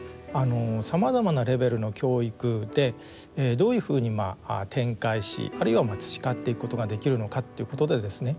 さまざまなレベルの教育でどういうふうに展開しあるいは培っていくことができるのかっていうことでですね